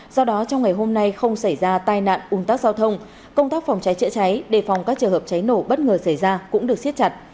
do đó trong ngày hôm nay không xảy ra tai nạn un tắc giao thông công tác phòng cháy chữa cháy đề phòng các trường hợp cháy nổ bất ngờ xảy ra cũng được siết chặt